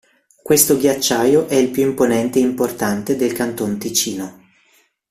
Questo ghiacciaio è il più imponente e importante del canton Ticino.